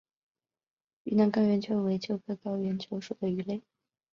云南高原鳅为鳅科高原鳅属的鱼类。